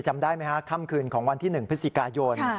จำได้ไหมฮะค่ำคืนของวันที่๑พฤศจิกายน